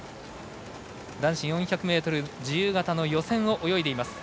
男子４００ｍ自由形の予選を泳いでいます。